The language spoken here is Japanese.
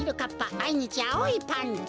まいにちあおいパンツ。